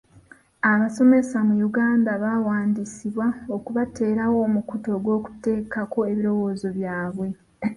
Abasomesa mu Uganda bawandiisibwa okubateerawo omukutu ogw'okuteekako ebirowoozo byabwe